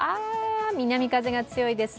南風が強いです。